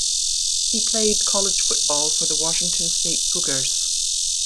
He played college football for the Washington State Cougars.